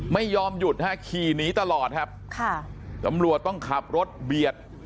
ไม่ยอมหยุดฮะขี่หนีตลอดครับค่ะตำรวจต้องขับรถเบียด